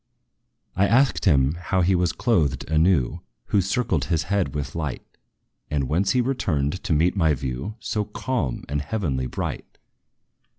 I asked him how he was clothed anew Who circled his head with light And whence he returned to meet my view So calm and heavenly bright.